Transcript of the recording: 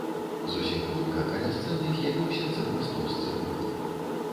Зусім хутка каля сцэны з'явіўся цэлы стос цыдулак.